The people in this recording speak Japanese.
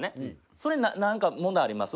それ何か、問題あります？